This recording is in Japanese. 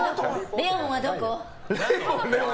レオンはどこ？